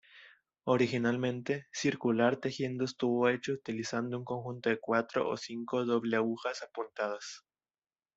Originalmente, circular tejiendo estuvo hecho utilizando un conjunto de cuatro o cinco doble-agujas apuntadas.